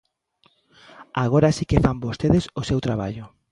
Agora si que fan vostedes o seu traballo.